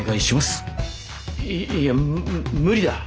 いいやむ無理だ。